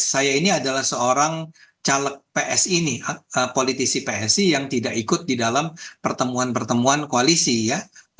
saya ini adalah seorang caleg psi nih politisi psi yang tidak ikut di dalam pertemuan pertemuan koalisi ya